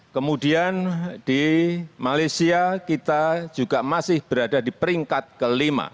kemudian di malaysia kita juga masih berada di peringkat kelima